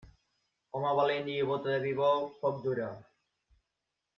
Home valent i bóta de vi bo, poc dura.